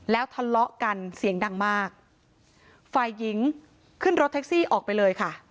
แล้วทะเลาะกันเสียงดังมากฝ่ายหญิงขึ้นรถแท็กซี่ออกไปเลยค่ะ